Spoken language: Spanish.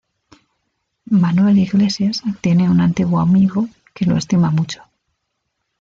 Manuel Iglesias tiene un antiguo amigo que lo estima mucho.